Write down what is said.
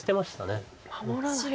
守らない。